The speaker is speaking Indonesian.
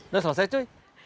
udah selesai cuy